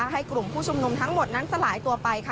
ให้กลุ่มผู้ชุมนุมทั้งหมดนั้นสลายตัวไปค่ะ